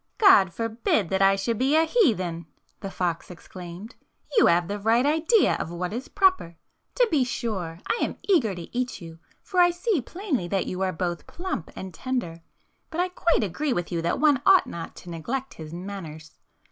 ''God forbid that I should be a heathen!" the fox exclaimed. "You have the right idea of what is proper. To be sure, I am eager to eat you, for I see plainly that you are both plump and tender, but I quite agree with you that one ought not to neglect his manners."